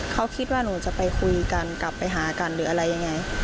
เขาคิดว่าหนูจะไปคุยกันกลับไปหากันหรืออะไรยังไง